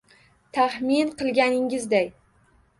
Tahmin qilganingizday